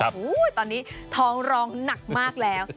โอ้โหตอนนี้ท้องร้องหนักมากแล้ว